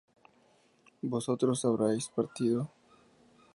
¿vosotros habríais partido?